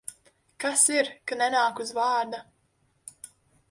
Kas ir, ka nenāk uz vārda?